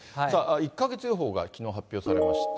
１か月予報がきのう発表されました。